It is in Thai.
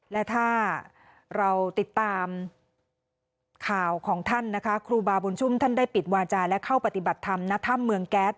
และถ้าเราติดตามข่าวของท่านนะคะครูบาบุญชุมท่านได้ปิดวาจาและเข้าปฏิบัติธรรมณถ้ำเมืองแก๊ส